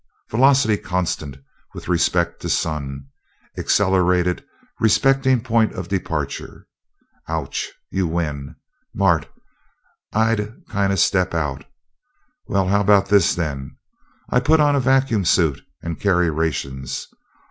Velocity constant with respect to sun, accelerated respecting point of departure. Ouch! You win, Mart I'd kinda step out! Well, how about this, then? I'll put on a vacuum suit and carry rations.